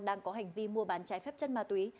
đang có hành vi mua bán trái phép chất ma túy